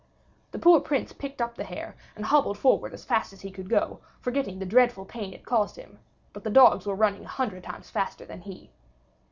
The poor Prince picked up the hare and hobbled forward as fast as he could go, forgetting the dreadful pain it caused him; but the dogs were running a hundred times faster than he.